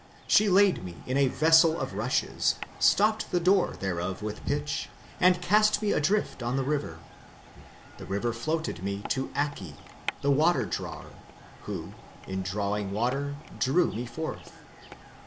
She laid me in a vessel of rushes, stopped the door thereof with pitch, and cast me adrift on the river.... The river floated me to Akki, the water drawer, who, in drawing water, drew me forth.